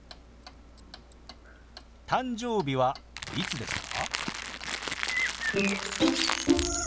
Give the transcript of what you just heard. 「誕生日はいつですか？」。